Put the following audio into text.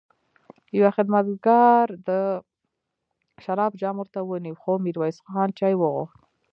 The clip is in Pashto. يوه خدمتګار د شرابو جام ورته ونيو، خو ميرويس خان چای وغوښت.